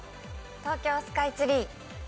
東京スカイツリー。